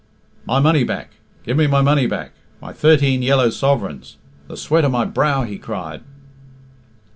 My money back! Give me my money back my thirteen yellow sovereigns the sweat of my brow!" he cried.